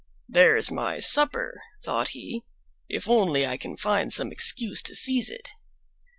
"There's my supper," thought he, "if only I can find some excuse to seize it."